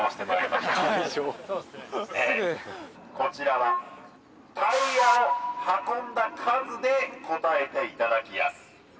こちらはタイヤを運んだ数で答えていただきやす